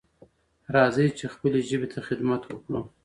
راځئ چې خپلې ژبې ته خدمت وکړو.